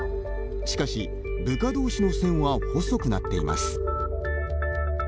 しかし、部下同士の線は細くなっています。